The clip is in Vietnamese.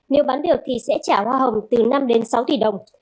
nếu bán được thì sẽ trả hoa hồng từ năm đến sáu tỷ đồng